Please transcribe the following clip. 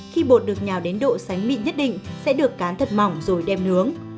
khi bột được nhào đến độ sánh mịn nhất định sẽ được cán thật mỏng rồi đem nướng